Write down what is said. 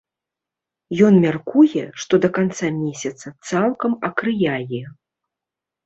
Ён мяркуе, што да канца месяца цалкам акрыяе.